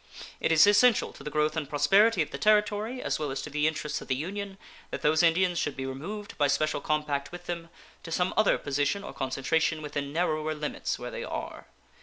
It is essential to the growth and prosperity of the Territory, as well as to the interests of the Union, that those Indians should be removed, by special compact with them, to some other position or concentration within narrower limits where they are.